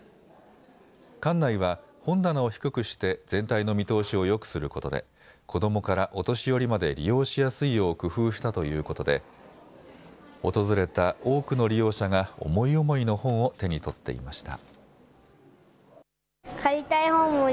館内は本棚を低くして全体の見通しをよくすることで子どもからお年寄りまで利用しやすいよう工夫したということで訪れた多くの利用者が思い思いの本を手に取っていました。